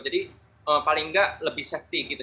jadi paling nggak lebih safety gitu